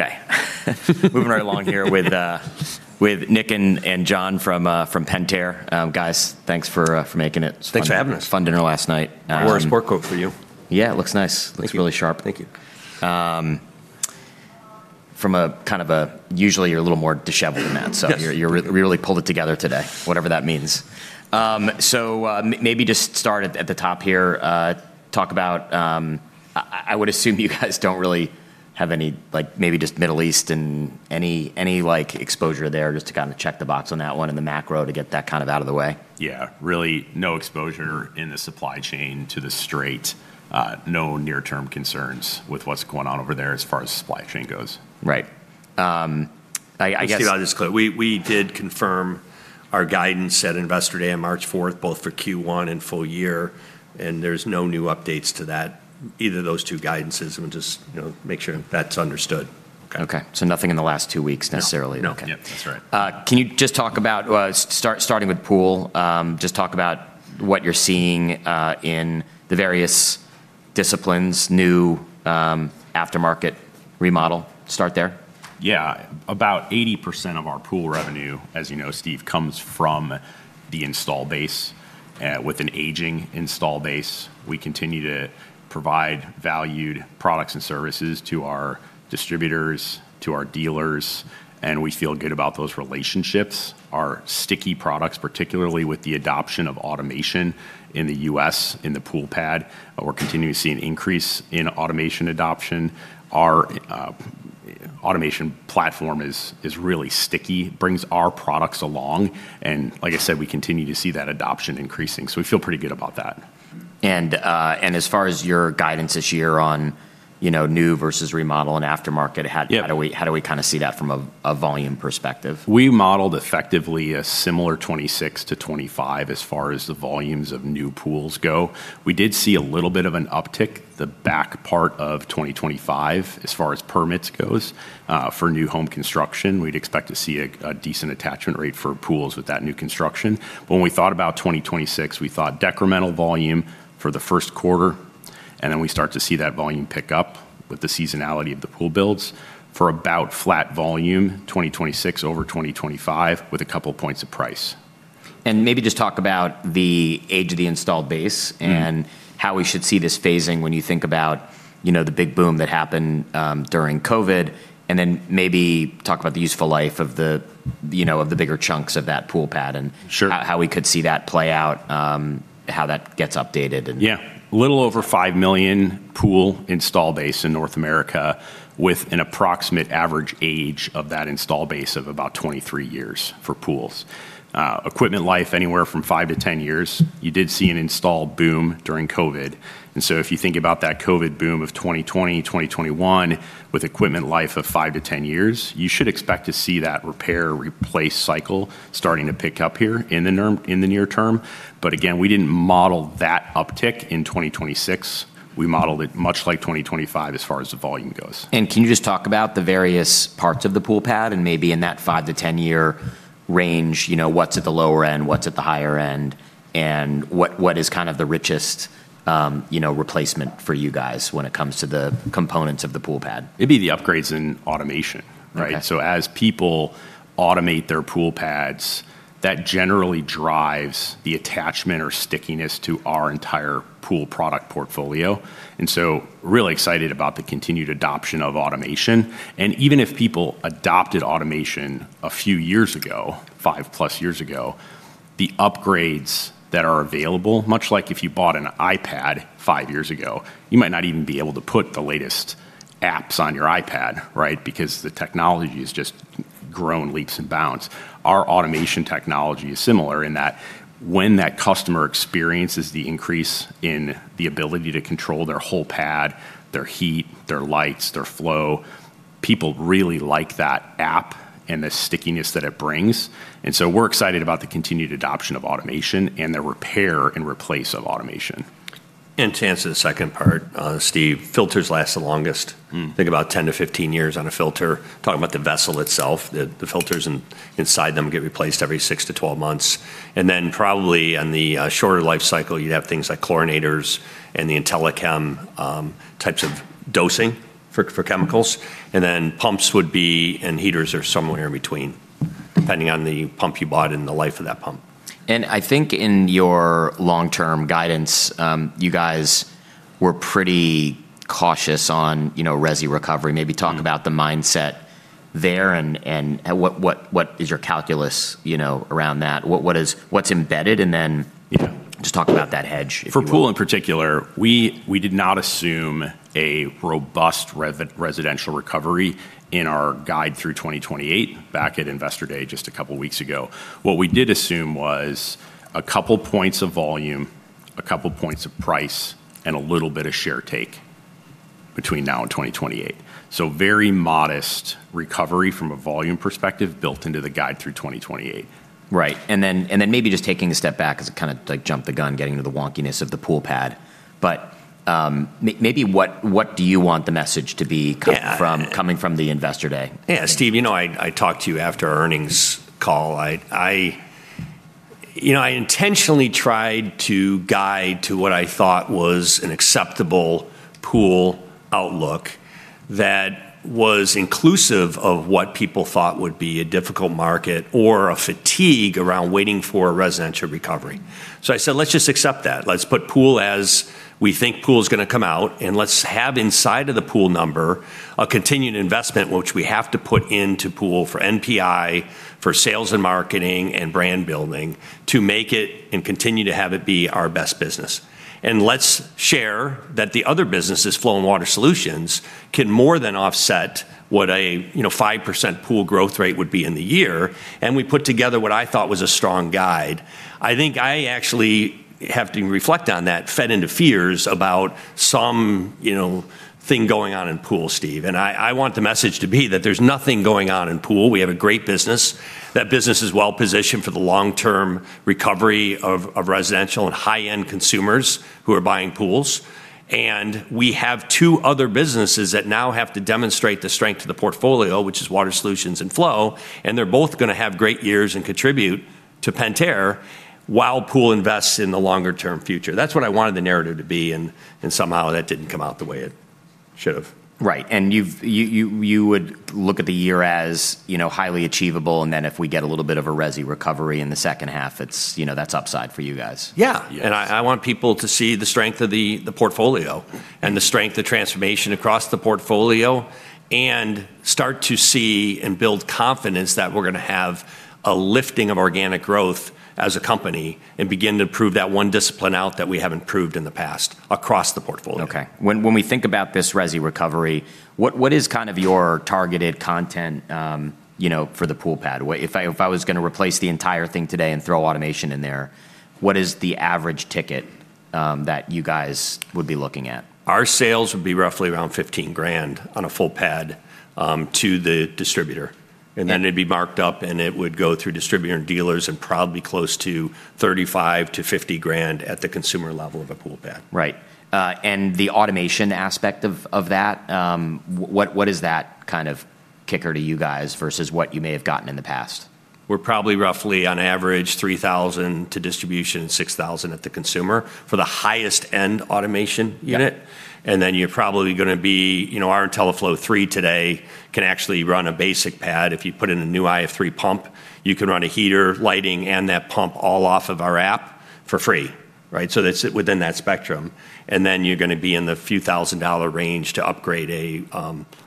Okay. Moving right along here with Nick and John from Pentair. Guys, thanks for making it. Thanks for having us. Fun dinner last night. I wore a sport coat for you. Yeah, it looks nice. Thank you. Looks really sharp. Thank you. Usually, you're a little more disheveled than that. Yes. You're really pulled it together today, whatever that means. Maybe just start at the top here. I would assume you guys don't really have any. Like, maybe just Middle East and any exposure there, just to kind of check the box on that one in the macro to get that kind of out of the way. Yeah. Really no exposure in the supply chain to the Strait. No near-term concerns with what's going on over there as far as supply chain goes. Right. I guess. Steve, I'll just quickly. We did confirm our guidance at Investor Day on March 4th, both for Q1 and full year, and there's no new updates to that, either of those two guidances. We'll just, you know, make sure that's understood. Okay. Nothing in the last two weeks necessarily. No. No. Yeah, that's right. Can you just talk about starting with Pool, just talk about what you're seeing in the various disciplines, new, aftermarket remodel. Start there. Yeah. About 80% of our pool revenue, as you know, Steve, comes from the install base. With an aging install base, we continue to provide valued products and services to our distributors, to our dealers, and we feel good about those relationships. Our sticky products, particularly with the adoption of automation in the U.S. in the pool Pad, we're continuing to see an increase in automation adoption. Our automation platform is really sticky. It brings our products along. Like I said, we continue to see that adoption increasing, so we feel pretty good about that. As far as your guidance this year on, you know, new versus remodel and aftermarket? Yeah. How do we kinda see that from a volume perspective? We modeled effectively a similar 2026 to 2025 as far as the volumes of new pools go. We did see a little bit of an uptick the back part of 2025 as far as permits goes. For new home construction, we'd expect to see a decent attachment rate for pools with that new construction. When we thought about 2026, we thought decremental volume for the first quarter, and then we start to see that volume pick up with the seasonality of the pool builds for about flat volume 2026 over 2025 with a couple points of price. Maybe just talk about the age of the installed base. Mm-hmm. how we should see this phasing when you think about, you know, the big boom that happened during COVID. Maybe talk about the useful life of the, you know, of the bigger chunks of that pool pad. Sure. how we could see that play out, how that gets updated and Yeah. A little over 5 million pool installed base in North America with an approximate average age of that installed base of about 23 years for pools. Equipment life anywhere from five to 10 years. You did see an install boom during COVID. If you think about that COVID boom of 2020, 2021, with equipment life of five to 10 years, you should expect to see that repair, replace cycle starting to pick up here in the near term. Again, we didn't model that uptick in 2026. We modeled it much like 2025 as far as the volume goes. Can you just talk about the various parts of the Pool Pad, and maybe in that five to 10 year range, you know, what's at the lower end, what's at the higher end, and what is kind of the richest, you know, replacement for you guys when it comes to the components of the Pool Pad? It'd be the upgrades in automation, right? Okay. As people automate their pool pads, that generally drives the attachment or stickiness to our entire pool product portfolio. Really excited about the continued adoption of automation. Even if people adopted automation a few years ago, 5+ years ago, the upgrades that are available, much like if you bought an iPad five years ago, you might not even be able to put the latest apps on your iPad, right? Because the technology has just grown leaps and bounds. Our automation technology is similar in that when that customer experiences the increase in the ability to control their whole pad, their heat, their lights, their flow, people really like that app and the stickiness that it brings. We're excited about the continued adoption of automation and the repair and replace of automation. To answer the second part, Steve, filters last the longest. Mm. Think about 10-15 years on a filter. Talking about the vessel itself. The filters inside them get replaced every six to 12 months. Probably on the shorter life cycle, you'd have things like chlorinators and the IntelliChem types of dosing for chemicals. Pumps would be. Heaters are somewhere in between, depending on the pump you bought and the life of that pump. I think in your long-term guidance, you guys were pretty cautious on, you know, resi recovery. Maybe talk about the mindset there and what is your calculus, you know, around that? What's embedded, and then Yeah. Just talk about that hedge, if you will. For Pool in particular, we did not assume a robust residential recovery in our guide through 2028 back at Investor Day just a couple weeks ago. What we did assume was a couple points of volume, a couple points of price, and a little bit of share take between now and 2028. Very modest recovery from a volume perspective built into the guide through 2028. Right. Maybe just taking a step back, 'cause it kinda, like, jumped the gun getting into the wonkiness of the Pool Pad. Maybe what do you want the message to be coming from? Yeah. Coming from the Investor Day? Yeah, Steve, you know, I talked to you after our earnings call. You know, I intentionally tried to guide to what I thought was an acceptable Pool outlook that was inclusive of what people thought would be a difficult market or a fatigue around waiting for a residential recovery. I said, let's just accept that. Let's put Pool as we think Pool is going to come out, and let's have inside of the Pool number a continued investment, which we have to put into Pool for NPI, for sales and marketing, and brand building to make it and continue to have it be our best business. Let's share that the other businesses, Flow and Water Solutions, can more than offset what a, you know, 5% Pool growth rate would be in the year. We put together what I thought was a strong guide. I think I actually have to reflect on that fed into fears about some, you know, thing going on in Pool, Steve. I want the message to be that there's nothing going on in Pool. We have a great business. That business is well-positioned for the long-term recovery of residential and high-end consumers who are buying pools. We have two other businesses that now have to demonstrate the strength of the portfolio, which is Water Solutions and Flow, and they're both going to have great years and contribute to Pentair while Pool invests in the longer-term future. That's what I wanted the narrative to be, and somehow that didn't come out the way it should have. Right. You would look at the year as, you know, highly achievable, and then if we get a little bit of a resi recovery in the second half, it's, you know, that's upside for you guys. Yeah. Yes. I want people to see the strength of the portfolio and the strength of transformation across the portfolio and start to see and build confidence that we're gonna have a lifting of organic growth as a company and begin to prove that one discipline out that we haven't proved in the past across the portfolio. Okay. When we think about this resi recovery, what is kind of your targeted content, you know, for the pool pad? What if I was gonna replace the entire thing today and throw automation in there, what is the average ticket that you guys would be looking at? Our sales would be roughly around $15,000 on a full PAD to the distributor. Yeah. It'd be marked up, and it would go through distributor and dealers and probably close to $35,000-$50,000 at the consumer level of a pool pad. Right. The automation aspect of that, what is that kind of kicker to you guys versus what you may have gotten in the past? We're probably roughly on average $3,000 to distribution, $6,000 at the consumer for the highest end automation unit. Yeah. You're probably gonna be. You know, our IntelliFlo3 today can actually run a basic PAD. If you put in a new IF 3 pump, you can run a heater, lighting, and that pump all off of our app for free, right? That's within that spectrum. You're gonna be in the few thousand-dollar range to upgrade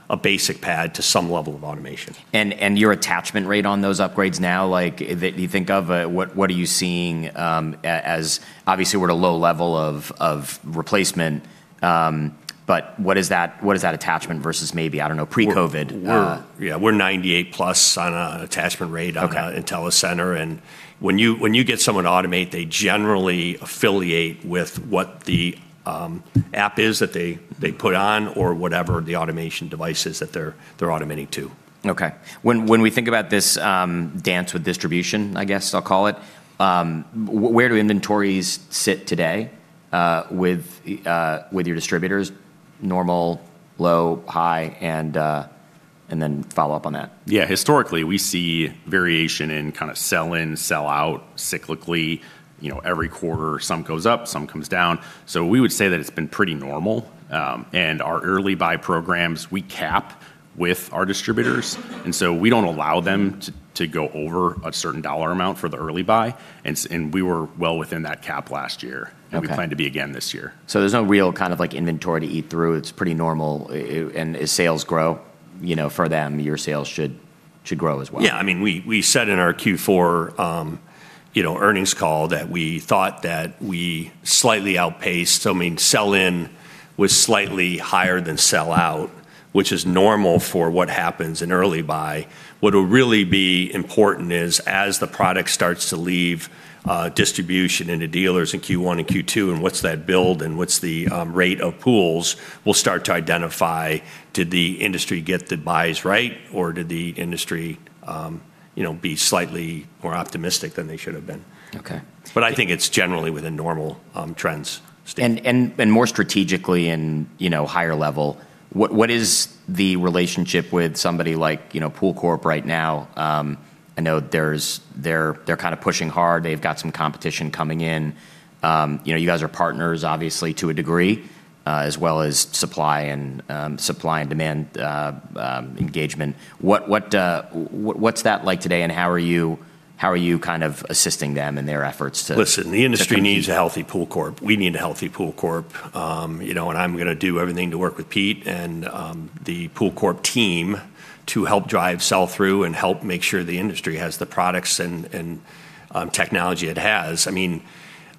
a basic PAD to some level of automation. Your attachment rate on those upgrades now, like, that you think of, what are you seeing, obviously we're at a low level of replacement, but what is that attachment versus maybe, I don't know, pre-COVID? Yeah, we're 98+ on an attachment rate. Okay. on IntelliCenter. When you get someone automate, they generally affiliate with what the app is that they put on or whatever the automation device is that they're automating to. Okay. When we think about this dance with distribution, I guess I'll call it, where do inventories sit today with your distributors? Normal, low, high, and then follow up on that. Yeah. Historically, we see variation in kind of sell in, sell out cyclically. You know, every quarter some goes up, some comes down. We would say that it's been pretty normal. Our early buy programs, we cap with our distributors. We don't allow them to go over a certain dollar amount for the early buy, and we were well within that cap last year. Okay. We plan to be again this year. There's no real kind of like inventory to eat through. It's pretty normal. As sales grow, you know, for them, your sales should grow as well. Yeah. I mean, we said in our Q4, you know, earnings call that we thought that we slightly outpaced. I mean, sell in was slightly higher than sell out, which is normal for what happens in early buy. What'll really be important is as the product starts to leave distribution into dealers in Q1 and Q2, and what's that build and what's the rate of pools, we'll start to identify did the industry get the buys right or did the industry, you know, be slightly more optimistic than they should have been. Okay. I think it's generally within normal trends, Steve. More strategically and, you know, higher level, what is the relationship with somebody like, you know, PoolCorp right now? I know they're kind of pushing hard. They've got some competition coming in. You know, you guys are partners obviously to a degree, as well as supply and demand engagement. What's that like today, and how are you kind of assisting them in their efforts to- Listen, the industry needs a healthy PoolCorp. We need a healthy PoolCorp. You know, I'm gonna do everything to work with Pete and the PoolCorp team to help drive sell through and help make sure the industry has the products and technology it has. I mean,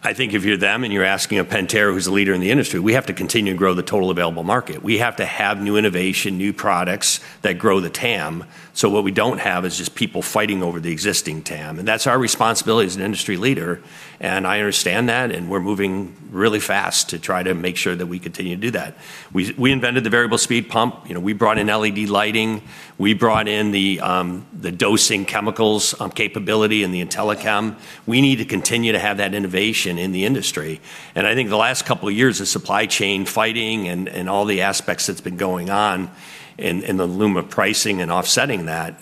I think if you're them and you're asking a Pentair who's a leader in the industry, we have to continue to grow the total available market. We have to have new innovation, new products that grow the TAM, so what we don't have is just people fighting over the existing TAM. That's our responsibility as an industry leader, and I understand that, and we're moving really fast to try to make sure that we continue to do that. We invented the variable speed pump. You know, we brought in LED lighting. We brought in the dosing chemicals capability and the IntelliChem. We need to continue to have that innovation in the industry. I think the last couple of years, the supply chain tightening and all the aspects that's been going on in the realm of pricing and offsetting that.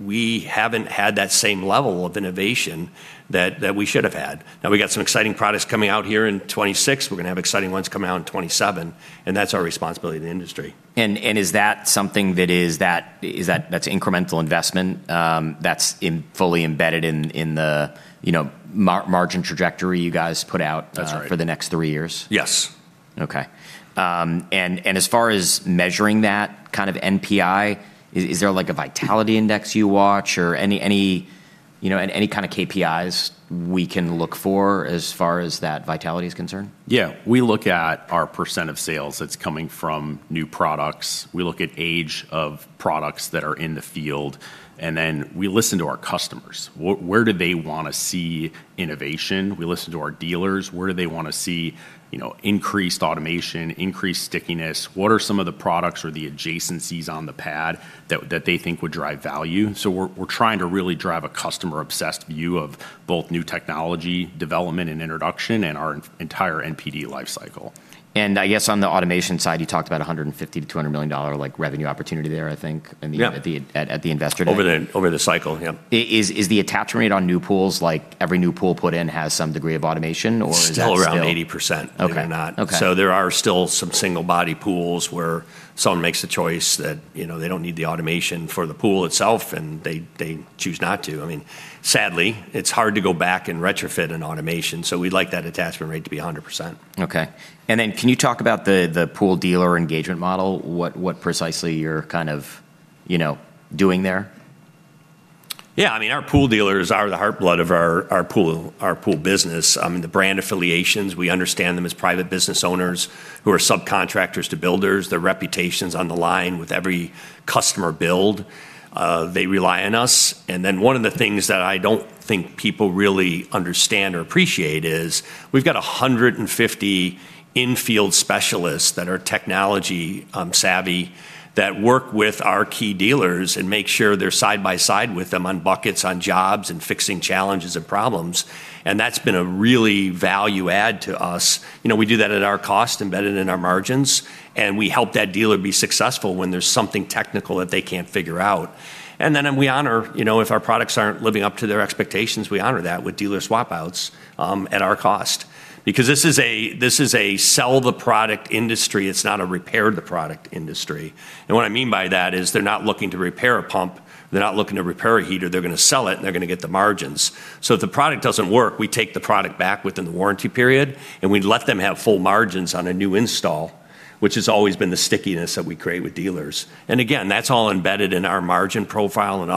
We haven't had that same level of innovation that we should have had. Now we've got some exciting products coming out here in 2026. We're gonna have exciting ones coming out in 2027, and that's our responsibility to the industry. Is that something that's incremental investment that's fully embedded in the, you know, margin trajectory you guys put out? That's right. for the next three years? Yes. Okay. As far as measuring that kind of NPI, is there like a vitality index you watch or any you know any kind of KPIs we can look for as far as that vitality is concerned? Yeah. We look at our percent of sales that's coming from new products. We look at age of products that are in the field, and then we listen to our customers. Where do they wanna see innovation? We listen to our dealers. Where do they wanna see, you know, increased automation, increased stickiness? What are some of the products or the adjacencies on the PAD that they think would drive value? We're trying to really drive a customer-obsessed view of both new technology development and introduction in our entire NPD life cycle. I guess on the automation side, you talked about $150 million to $200 million dollar-like revenue opportunity there, I think. Yeah. at the Investor Day. Over the cycle, yeah. Is the attach rate on new pools, like every new pool put in has some degree of automation, or is that still? It's still around 80%. Okay. that they're not. Okay. There are still some single body pools where someone makes the choice that, you know, they don't need the automation for the pool itself, and they choose not to. I mean, sadly, it's hard to go back and retrofit an automation, so we'd like that attachment rate to be 100%. Okay. Can you talk about the pool dealer engagement model, what precisely you're kind of, you know, doing there? Yeah, I mean, our pool dealers are the lifeblood of our pool business. I mean, the brand affiliations, we understand them as private business owners who are subcontractors to builders. Their reputation's on the line with every customer build. They rely on us, and one of the things that I don't think people really understand or appreciate is we've got 150 in-field specialists that are technology savvy that work with our key dealers and make sure they're side by side with them on buckets, on jobs, and fixing challenges and problems, and that's been a really value add to us. You know, we do that at our cost, embedded in our margins, and we help that dealer be successful when there's something technical that they can't figure out. You know, if our products aren't living up to their expectations, we honor that with dealer swap outs at our cost because this is a sell the product industry. It's not a repair the product industry. What I mean by that is they're not looking to repair a pump. They're not looking to repair a heater. They're gonna sell it, and they're gonna get the margins. So if the product doesn't work, we take the product back within the warranty period, and we let them have full margins on a new install, which has always been the stickiness that we create with dealers. Again, that's all embedded in our margin profile and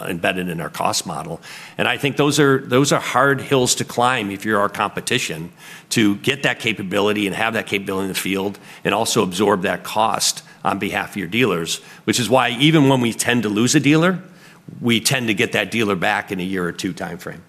embedded in our cost model. I think those are hard hills to climb if you're our competition to get that capability and have that capability in the field and also absorb that cost on behalf of your dealers, which is why even when we tend to lose a dealer, we tend to get that dealer back in a year or two timeframe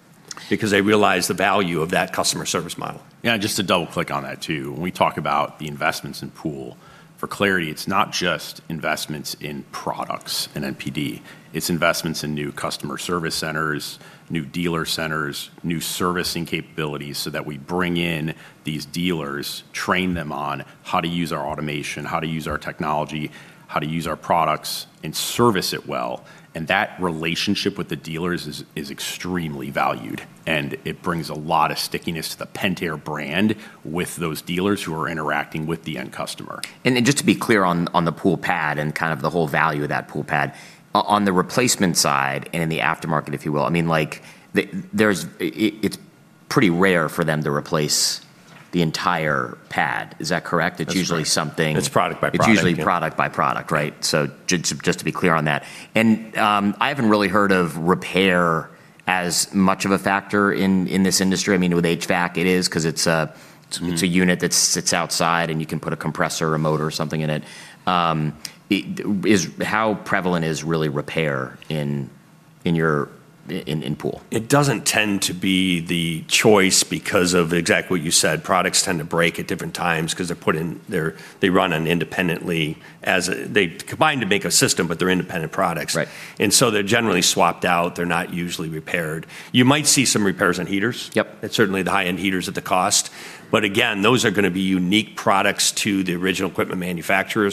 because they realize the value of that customer service model. Yeah, just to double click on that too. When we talk about the investments in Pool, for clarity, it's not just investments in products and NPD. It's investments in new customer service centers, new dealer centers, new servicing capabilities so that we bring in these dealers, train them on how to use our automation, how to use our technology, how to use our products and service it well, and that relationship with the dealers is extremely valued, and it brings a lot of stickiness to the Pentair brand with those dealers who are interacting with the end customer. Just to be clear on the Pool PAD and kind of the whole value of that Pool PAD, on the replacement side and in the aftermarket, if you will, I mean, like, it's pretty rare for them to replace the entire PAD. Is that correct? That's right. It's usually something. It's product by product. It's usually product by product, right? Just to be clear on that. I haven't really heard of repair as much of a factor in this industry. I mean, with HVAC it is 'cause it's a. Mm-hmm. it's a unit that sits outside, and you can put a compressor or a motor or something in it. How prevalent is repair really in your Pool? It doesn't tend to be the choice because of exactly what you said. Products tend to break at different times 'cause they're put in. They run independently. They combine to make a system, but they're independent products. Right. They're generally swapped out. They're not usually repaired. You might see some repairs on heaters. Yep. It's certainly the high-end heaters at the cost. Again, those are gonna be unique products to the original equipment manufacturer.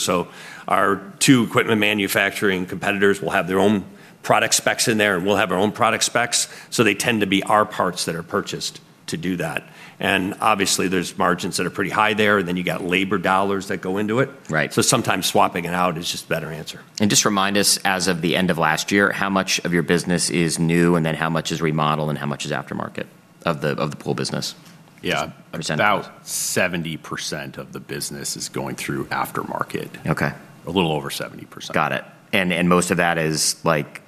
Our two equipment manufacturing competitors will have their own product specs in there, and we'll have our own product specs. They tend to be our parts that are purchased to do that. Obviously, there's margins that are pretty high there. You got labor dollars that go into it. Right. Sometimes swapping it out is just a better answer. Just remind us, as of the end of last year, how much of your business is new, and then how much is remodel, and how much is aftermarket of the pool business? Yeah. Percent. About 70% of the business is going through aftermarket. Okay. A little over 70%. Got it. Most of that is, like,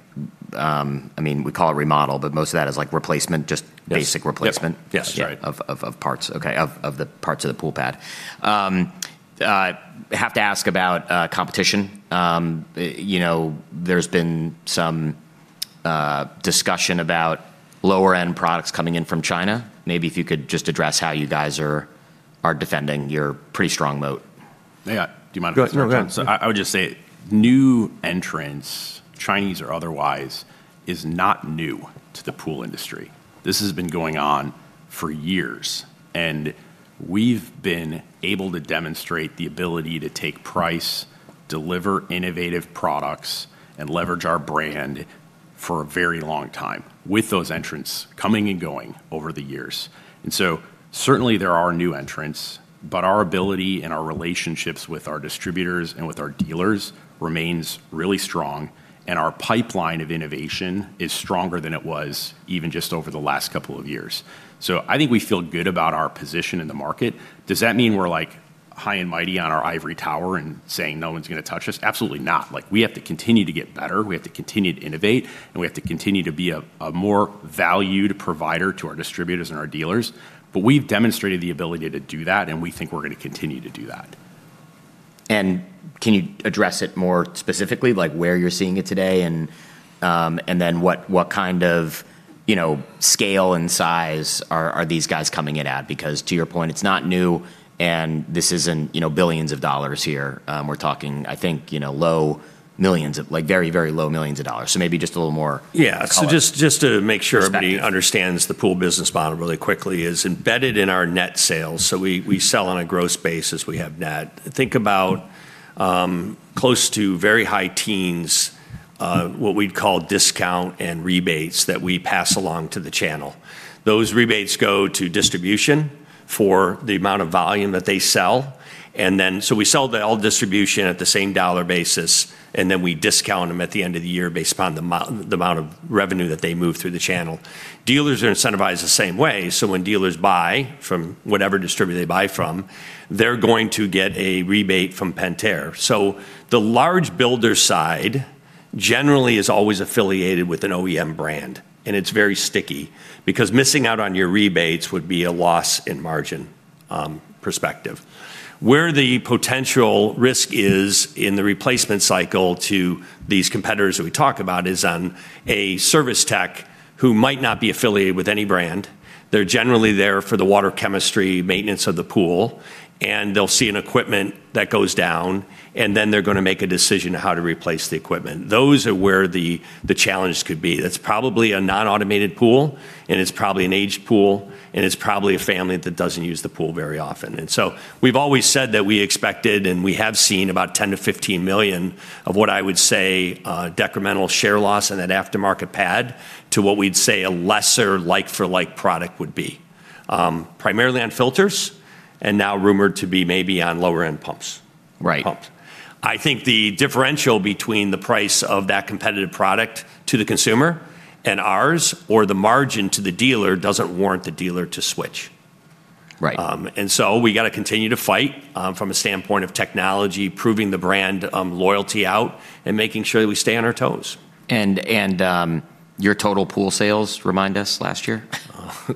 I mean, we call it remodel, but most of that is like replacement. Yes. basic replacement. Yes. Yes. Right. Yeah, of parts. Okay, of the parts of the pool pad. Have to ask about competition. You know, there's been some discussion about lower end products coming in from China. Maybe if you could just address how you guys are defending your pretty strong moat. Yeah. Do you mind if I answer? Go ahead. I would just say new entrants, Chinese or otherwise, is not new to the pool industry. This has been going on for years, and we've been able to demonstrate the ability to take price, deliver innovative products, and leverage our brand for a very long time with those entrants coming and going over the years. Certainly there are new entrants, but our ability and our relationships with our distributors and with our dealers remains really strong, and our pipeline of innovation is stronger than it was even just over the last couple of years. I think we feel good about our position in the market. Does that mean we're, like, high and mighty on our ivory tower and saying, "No one's gonna touch us"? Absolutely not. Like, we have to continue to get better, we have to continue to innovate, and we have to continue to be a more valued provider to our distributors and our dealers. We've demonstrated the ability to do that, and we think we're gonna continue to do that. Can you address it more specifically, like where you're seeing it today and then what kind of, you know, scale and size are these guys coming in at? Because to your point, it's not new, and this isn't, you know, billions of dollars here. We're talking, I think, you know, low millions of dollars, like very, very low millions of dollars. Maybe just a little more. Yeah. color. Just to make sure. Perspective. Everybody understands the Pool business model really quickly is embedded in our net sales, so we sell on a gross basis. Think about close to very high teens, what we'd call discounts and rebates that we pass along to the channel. Those rebates go to distribution for the amount of volume that they sell, and then we sell to all distribution at the same dollar basis, and then we discount them at the end of the year based upon the amount of revenue that they move through the channel. Dealers are incentivized the same way, so when dealers buy from whatever distributor they buy from, they're going to get a rebate from Pentair. The large builder side generally is always affiliated with an OEM brand, and it's very sticky because missing out on your rebates would be a loss in margin, perspective. Where the potential risk is in the replacement cycle to these competitors that we talk about is on a service tech who might not be affiliated with any brand. They're generally there for the water chemistry, maintenance of the pool, and they'll see an equipment that goes down, and then they're gonna make a decision how to replace the equipment. Those are where the challenge could be. That's probably a non-automated pool, and it's probably an aged pool, and it's probably a family that doesn't use the pool very often. We've always said that we expected and we have seen about $10 million to $15 million of what I would say, decremental share loss in that aftermarket PAD to what we'd say a lesser like for like product would be. Primarily on filters and now rumored to be maybe on lower end pumps. Right. Pumps. I think the differential between the price of that competitive product to the consumer and ours or the margin to the dealer doesn't warrant the dealer to switch. Right. We gotta continue to fight from a standpoint of technology, proving the brand loyalty out and making sure that we stay on our toes. Your total Pool sales, remind us, last year?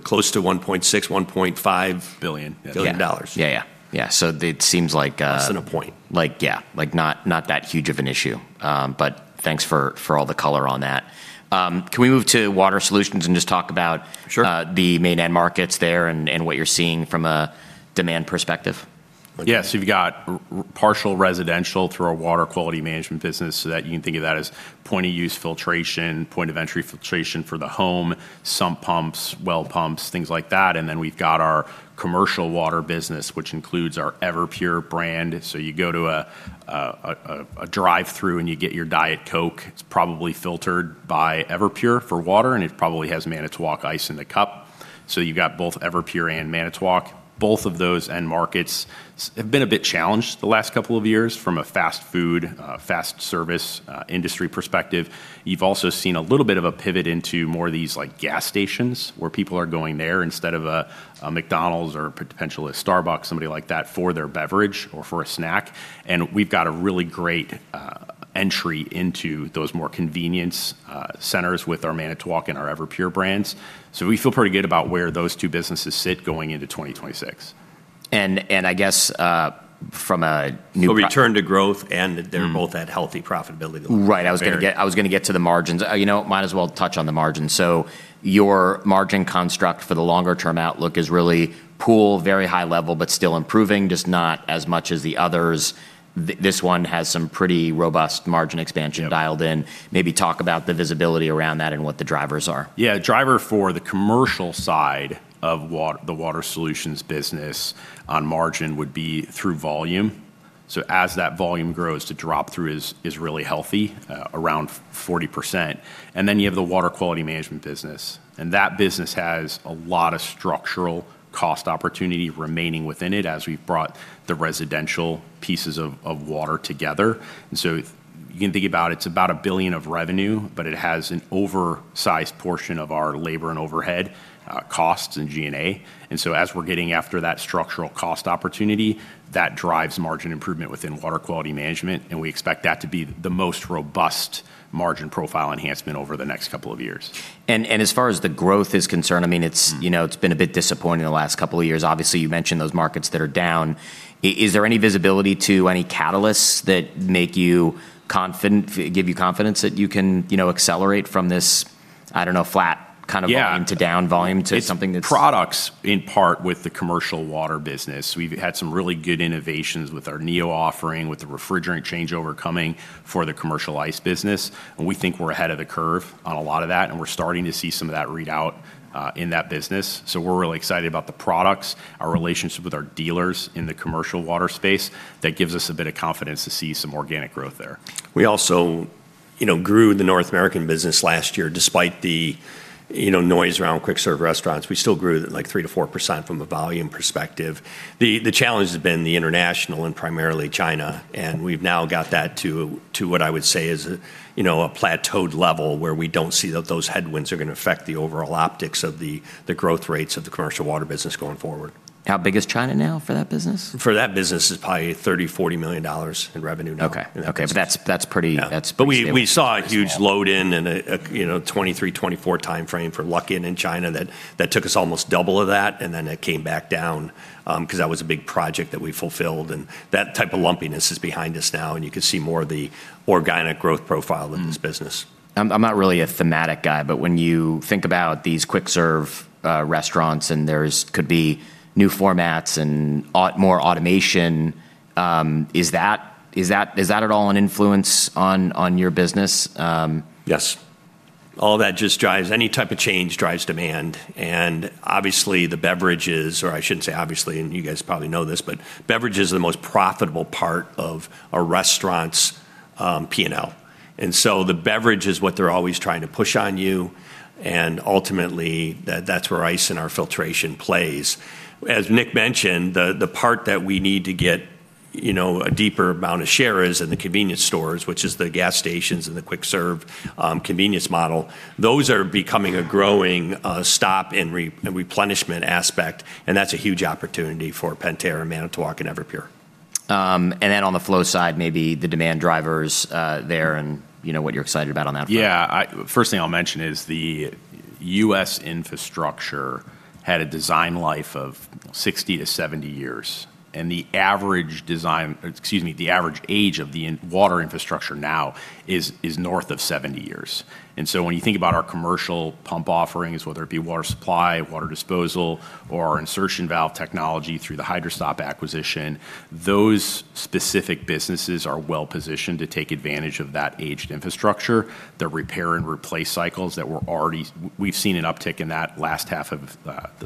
Close to 1.6, 1.5. Billion. Billion dollars. Yeah, yeah. Yeah, so it seems like Less than a point. like, yeah, like not that huge of an issue. Thanks for all the color on that. Can we move to Water Solutions and just talk about? Sure. the main end markets there and what you're seeing from a demand perspective? Yes. You've got residential through our water quality management business, so that you can think of that as point of use filtration, point of entry filtration for the home, sump pumps, well pumps, things like that. We've got our commercial water business, which includes our Everpure brand. You go to a drive-through, and you get your Diet Coke. It's probably filtered by Everpure for water, and it probably has Manitowoc Ice in the cup. You've got both Everpure and Manitowoc. Both of those end markets have been a bit challenged the last couple of years from a fast food, quick service industry perspective. You've also seen a little bit of a pivot into more of these, like, gas stations, where people are going there instead of a McDonald's or potentially a Starbucks, somebody like that, for their beverage or for a snack. We've got a really great entry into those more convenience centers with our Manitowoc and our Everpure brands. We feel pretty good about where those two businesses sit going into 2026. I guess from a new They'll return to growth, and they're both at healthy profitability. Right. I was gonna get to the margins. You know, might as well touch on the margins. Your margin construct for the longer term outlook is really Pool, very high level but still improving, just not as much as the others. This one has some pretty robust margin expansion. Yeah. Dialed in. Maybe talk about the visibility around that and what the drivers are. Yeah. Driver for the commercial side of the Water Solutions business on margin would be through volume. As that volume grows, the drop through is really healthy around 40%. You have the water quality management business, and that business has a lot of structural cost opportunity remaining within it as we've brought the residential pieces of water together. You can think about it is about $1 billion of revenue, but it has an oversized portion of our labor and overhead costs and G&A. As we're getting after that structural cost opportunity, that drives margin improvement within water quality management, and we expect that to be the most robust margin profile enhancement over the next couple of years. As far as the growth is concerned, I mean, it's, you know, it's been a bit disappointing the last couple of years. Obviously, you mentioned those markets that are down. Is there any visibility to any catalysts that make you confident, give you confidence that you can, you know, accelerate from this, I don't know, flat kind of- Yeah. volume to something that's Its products in part with the commercial water business. We've had some really good innovations with our NEO offering, with the refrigerant changeover coming for the commercial ice business, and we think we're ahead of the curve on a lot of that, and we're starting to see some of that read out in that business. We're really excited about the products, our relationship with our dealers in the commercial water space. That gives us a bit of confidence to see some organic growth there. We also, you know, grew the North American business last year despite the, you know, noise around quick serve restaurants. We still grew at, like, 3% to 4% from a volume perspective. The challenge has been the international and primarily China, and we've now got that to what I would say is, you know, a plateaued level where we don't see that those headwinds are gonna affect the overall optics of the growth rates of the commercial water business going forward. How big is China now for that business? For that business, it's probably $30 million to $40 million in revenue now. Okay. That's pretty. Yeah. That's pretty stable. We saw a huge load in a you know 2023, 2024 timeframe for Luckin in China that took us almost double of that, and then it came back down, 'cause that was a big project that we fulfilled, and that type of lumpiness is behind us now, and you can see more of the organic growth profile of this business. I'm not really a thematic guy, but when you think about these quick-serve restaurants and there could be new formats and more automation, is that at all an influence on your business? Yes. All that just drives demand. Any type of change drives demand. Obviously the beverages, or I shouldn't say obviously, and you guys probably know this, but beverages are the most profitable part of a restaurant's P&L. The beverage is what they're always trying to push on you, and ultimately that's where ice and our filtration plays. As Nick mentioned, the part that we need to get, you know, a deeper amount of share is in the convenience stores, which is the gas stations and the quick serve convenience model. Those are becoming a growing stop and replenishment aspect, and that's a huge opportunity for Pentair and Manitowoc and Everpure. On the Flow side, maybe the demand drivers there and you know what you're excited about on that front. Yeah. First thing I'll mention is the U.S. infrastructure had a design life of 60 to 70 years, and the average design, excuse me, the average age of the in-water infrastructure now is north of 70 years. When you think about our commercial pump offerings, whether it be water supply, water disposal, or our insertion valve technology through the Hydra-Stop acquisition, those specific businesses are well-positioned to take advantage of that aged infrastructure. The repair and replace cycles that were already. We've seen an uptick in that last half of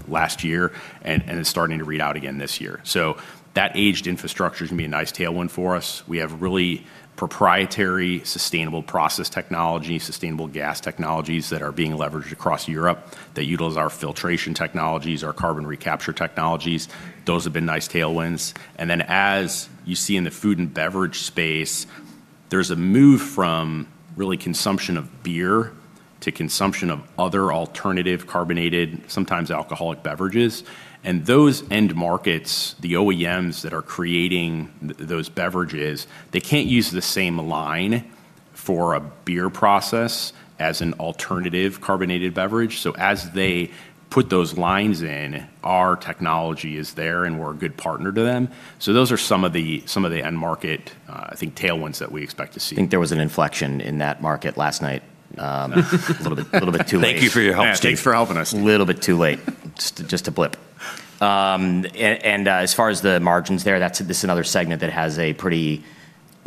last year, and it's starting to read out again this year. That aged infrastructure is gonna be a nice tailwind for us. We have really proprietary sustainable process technology, sustainable gas technologies that are being leveraged across Europe that utilize our filtration technologies, our carbon recapture technologies. Those have been nice tailwinds. Then as you see in the food and beverage space, there's a move from really consumption of beer to consumption of other alternative carbonated, sometimes alcoholic beverages. Those end markets, the OEMs that are creating those beverages, they can't use the same line for a beer process as an alternative carbonated beverage. As they put those lines in, our technology is there, and we're a good partner to them. Those are some of the end market, I think, tailwinds that we expect to see. I think there was an inflection in that market last night, a little bit too late. Thank you for your help, Steve. Yeah, thanks for helping us. A little bit too late. Just a blip. As far as the margins there, that's, this is another segment that has a pretty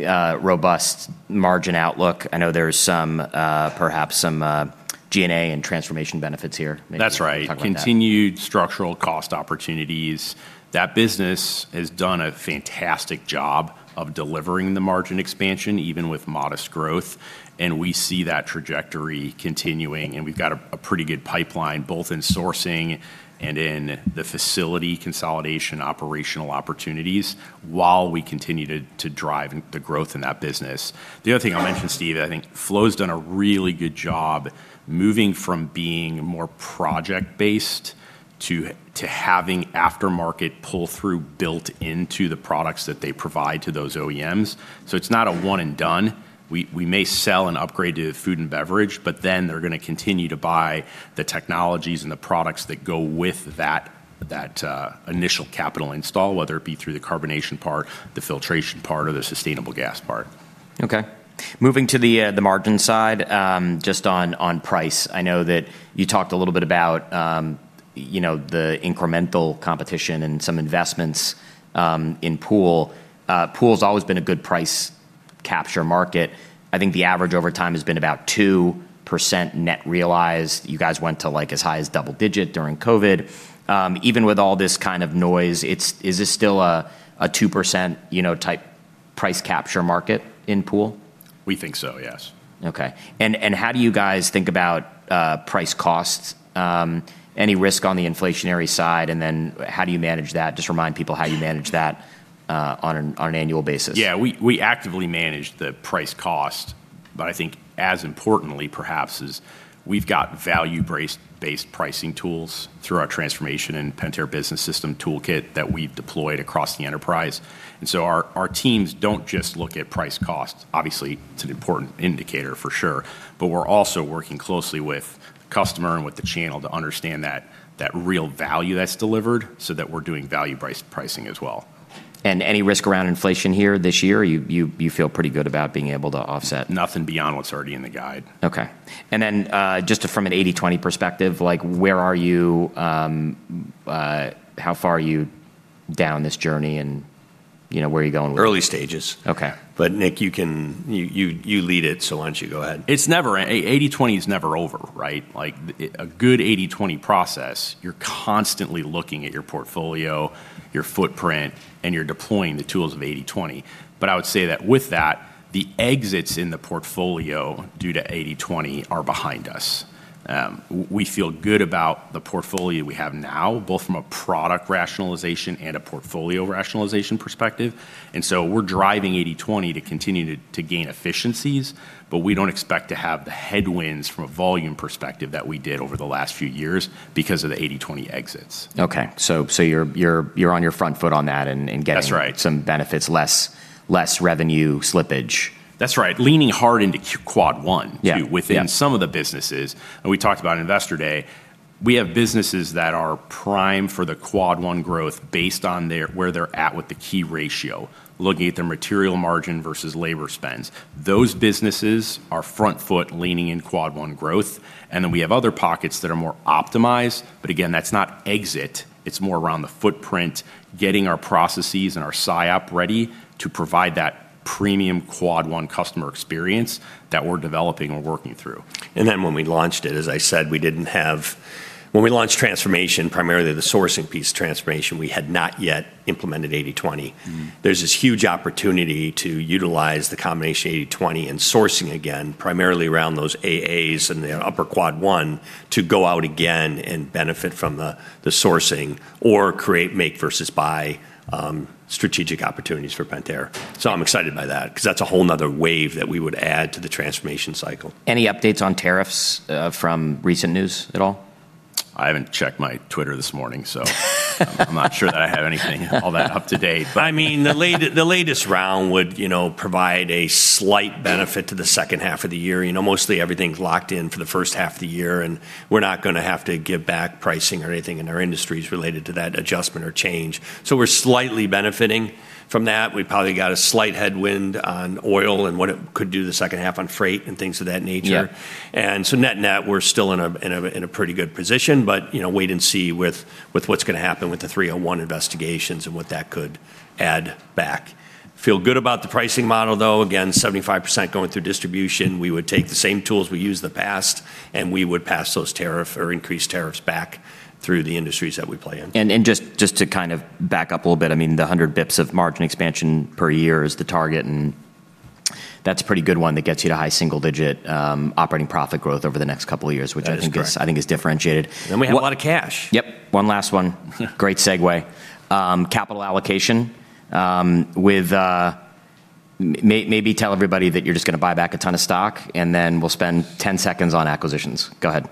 robust margin outlook. I know there's some perhaps some G&A and transformation benefits here. Maybe. That's right. Talk about that. Continued structural cost opportunities. That business has done a fantastic job of delivering the margin expansion, even with modest growth, and we see that trajectory continuing, and we've got a pretty good pipeline both in sourcing and in the facility consolidation operational opportunities while we continue to drive the growth in that business. The other thing I'll mention, Steve, I think Flow's done a really good job moving from being more project-based to having aftermarket pull-through built into the products that they provide to those OEMs. So it's not a one and done. We may sell an upgrade to food and beverage, but then they're gonna continue to buy the technologies and the products that go with that initial capital install, whether it be through the carbonation part, the filtration part, or the sustainable gas part. Okay. Moving to the margin side, just on price. I know that you talked a little bit about, you know, the incremental competition and some investments in Pool. Pool's always been a good price capture market. I think the average over time has been about 2% net realized. You guys went to, like, as high as double digit during COVID. Even with all this kind of noise, it's a 2%, you know, type price capture market in Pool? We think so, yes. Okay. How do you guys think about price costs? Any risk on the inflationary side? How do you manage that? Just remind people how you manage that on an annual basis. Yeah. We actively manage the price cost. But I think as importantly perhaps is we've got value-based pricing tools through our transformation and Pentair business system toolkit that we've deployed across the enterprise. Our teams don't just look at price costs. Obviously, it's an important indicator for sure. But we're also working closely with the customer and with the channel to understand that real value that's delivered so that we're doing value pricing as well. Any risk around inflation here this year, or you feel pretty good about being able to offset? Nothing beyond what's already in the guide. Okay. Just from an 80/20 perspective, like, how far are you down this journey and, you know, where are you going with- Early stages. Okay. Nick, you lead it, so why don't you go ahead? 80/20 is never over, right? Like, a good 80/20 process, you're constantly looking at your portfolio, your footprint, and you're deploying the tools of 80/20. I would say that with that, the exits in the portfolio due to 80/20 are behind us. We feel good about the portfolio we have now, both from a product rationalization and a portfolio rationalization perspective, and we're driving 80/20 to continue to gain efficiencies, but we don't expect to have the headwinds from a volume perspective that we did over the last few years because of the 80/20 exits. Okay, you're on your front foot on that and getting. That's right. some benefits, less revenue slippage. That's right. Leaning hard into quad one. Yeah. Too. Yeah. Within some of the businesses, and we talked about Investor Day, we have businesses that are primed for the quad one growth based on their, where they're at with the key ratio, looking at their material margin versus labor spends. Those businesses are front foot leaning in quad one growth, and then we have other pockets that are more optimized, but again, that's not exit, it's more around the footprint, getting our processes and our SIOP ready to provide that premium quad one customer experience that we're developing and working through. When we launched transformation, primarily the sourcing piece transformation, we had not yet implemented 80/20. Mm-hmm. There's this huge opportunity to utilize the combination 80/20 and sourcing again, primarily around those AAs and the upper quad one, to go out again and benefit from the sourcing or create make versus buy strategic opportunities for Pentair. I'm excited by that, 'cause that's a whole nother wave that we would add to the transformation cycle. Any updates on tariffs from recent news at all? I haven't checked my Twitter this morning. I'm not sure that I have anything all that up to date. I mean, the latest round would, you know, provide a slight benefit to the second half of the year. You know, mostly everything's locked in for the first half of the year, and we're not gonna have to give back pricing or anything in our industries related to that adjustment or change. We're slightly benefiting from that. We probably got a slight headwind on oil and what it could do to the second half on freight and things of that nature. Yeah. net-net, we're still in a pretty good position, but, you know, wait and see with what's gonna happen with the 301 investigations and what that could add back. Feel good about the pricing model, though. Again, 75% going through distribution. We would take the same tools we used in the past, and we would pass those tariff or increased tariffs back through the industries that we play in. Just to kind of back up a little bit, I mean, the 100 basis points of margin expansion per year is the target, and that's a pretty good one that gets you to high single digit operating profit growth over the next couple of years, which I think is. That is correct. I think is differentiated. We have a lot of cash. Yep. One last one. Great segue. Capital allocation, with maybe tell everybody that you're just gonna buy back a ton of stock, and then we'll spend 10 seconds on acquisitions. Go ahead.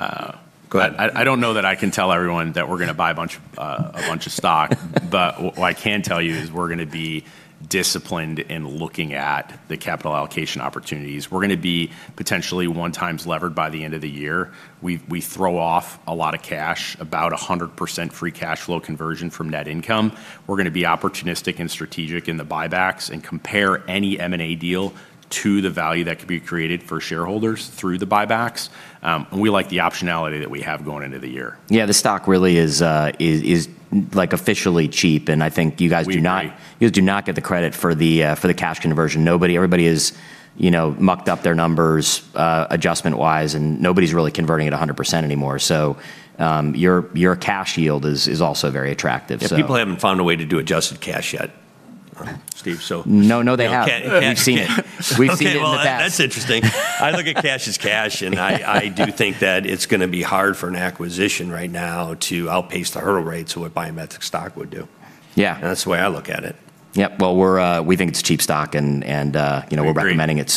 Uh- Go ahead. I don't know that I can tell everyone that we're gonna buy a bunch of stock. What I can tell you is we're gonna be disciplined in looking at the capital allocation opportunities. We're gonna be potentially 1x levered by the end of the year. We throw off a lot of cash, about 100% free cash flow conversion from net income. We're gonna be opportunistic and strategic in the buybacks and compare any M&A deal to the value that could be created for shareholders through the buybacks, and we like the optionality that we have going into the year. Yeah, the stock really is like officially cheap, and I think you guys do not- We agree. You guys do not get the credit for the cash conversion. Nobody, everybody is, you know, mucked up their numbers, adjustment-wise, and nobody's really converting at 100% anymore. Your cash yield is also very attractive, so- Yeah, people haven't found a way to do adjusted cash yet. Okay Steve. No, no they have. We've seen it. We've seen it in the past. Okay, well, that's interesting. I look at cash as cash, and I do think that it's gonna be hard for an acquisition right now to outpace the hurdle rates of what Pentair's stock would do. Yeah. That's the way I look at it. Yep. Well, we think it's cheap stock, and you know. Agree We're recommending it.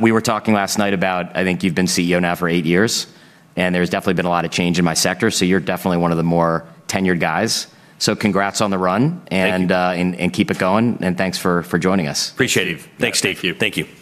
We were talking last night about, I think you've been CEO now for eight years, and there's definitely been a lot of change in my sector, so you're definitely one of the more tenured guys. Congrats on the run. Thank you. Keep it going, and thanks for joining us. Appreciate it. Yeah. Thanks, Steve. Thank you. Thank you. Thanks.